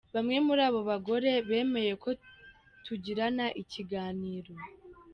Bamwe muri abo bagore bemeye ko tugirana ikiganiro.